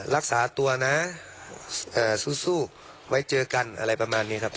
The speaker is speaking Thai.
รักษาตัวนะสู้ไว้เจอกันอะไรประมาณนี้ครับ